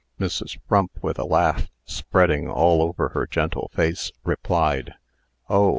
Mrs. Frump, with a laugh spreading all over her gentle face, replied: "Oh!